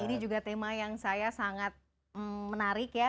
ini juga tema yang saya sangat menarik ya